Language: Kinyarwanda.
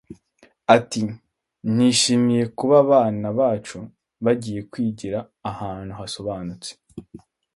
Ati “Nishimiye kuba abana bacu bagiye kwigira ahantu hasobanutse